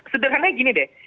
sederhananya gini deh